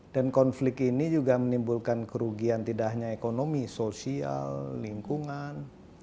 dan konflik ini juga menimbulkan kerugian tidak hanya ekonomi sosial lingkungan